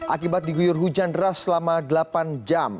akibat diguyur hujan deras selama delapan jam